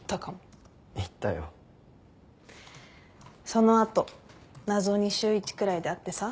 その後謎に週１くらいで会ってさ。